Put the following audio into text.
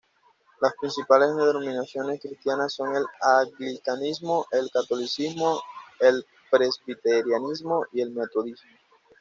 Las principales denominaciones cristianas son el anglicanismo, el catolicismo, el presbiterianismo y el metodismo.